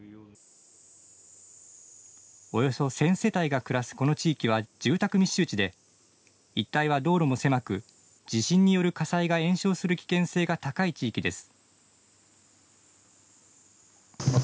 およそ１０００世帯が暮らすこの地域は住宅密集地で一帯は道路も狭く地震による火災が延焼する危険性が高い地域です。